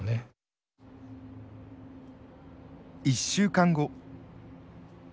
１週間後。